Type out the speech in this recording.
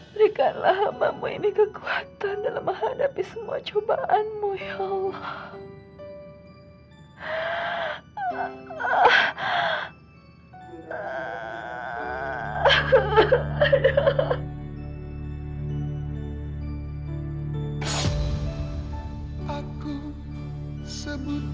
berikanlah hamamu ini kekuatan dalam menghadapi semua cobaanmu ya allah